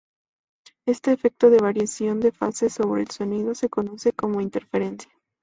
Este efecto de variación de fase sobre el sonido se conoce como interferencia.